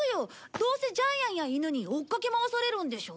どうせジャイアンや犬に追っかけ回されるんでしょ？